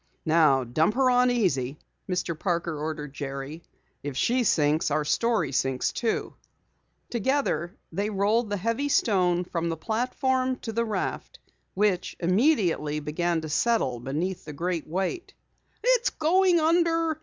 "Now dump her on easy," Mr. Parker ordered Jerry. "If she sinks, our story sinks too." Together they rolled the heavy stone from the platform to the raft which immediately began to settle beneath the great weight. "It's going under!"